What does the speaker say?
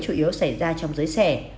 chủ yếu xảy ra trong giới xẻ